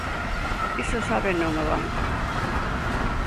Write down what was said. Iso sábeno no banco.